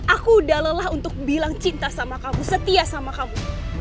aku udah lelah untuk bilang cinta sama kamu setia sama kamu